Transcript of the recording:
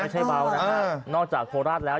ไม่ใช่เบานะฮะนอกจากโคราชแล้ว